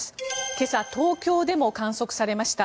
今朝、東京でも観測されました。